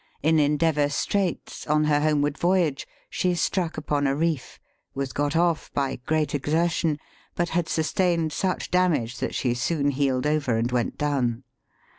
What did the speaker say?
In Endeavour Straits, on her homeward voyage, she struck upon a reef; was got off, by great exertion ; but had sustained such damage, that she soon heeled over and went down.